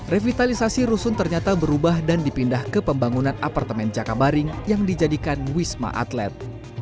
revitalisasi rusun ternyata berubah dan dipindah ke pembangunan apartemen jakabaring yang dijadikan wisma atlet